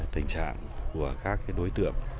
tình trạng của các đối tượng